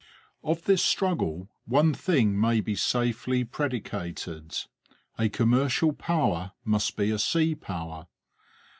Of this struggle one thing may be safely predicated; a commercial power must be a sea power.